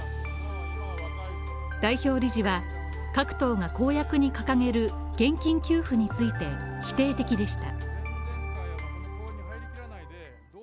代表理事は、各党が公約に掲げる現金給付について否定的でした。